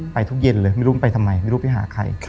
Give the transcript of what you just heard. ทุกเย็นเลยไม่รู้ไปทำไมไม่รู้ไปหาใคร